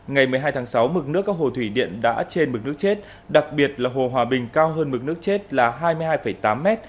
ngày một mươi hai tháng sáu mực nước các hồ thủy điện đã trên mực nước chết đặc biệt là hồ hòa bình cao hơn mực nước chết là hai mươi hai tám mét